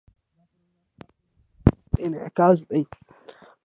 دا پروژه ستاسو د صداقت انعکاس دی.